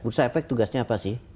bursa efek tugasnya apa sih